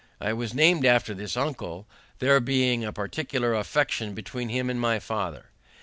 I was named after this uncle, there being a particular affection between him and my father.